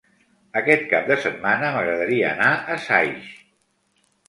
Aquest cap de setmana m'agradaria anar a Saix.